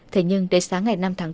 thế nhưng tới sáng ngày năm tháng bốn